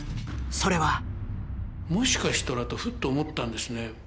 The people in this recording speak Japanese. もしかしたらとふっと思ったんですね。